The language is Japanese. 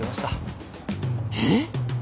えっ！？